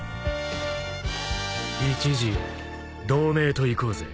一時同盟といこうぜ。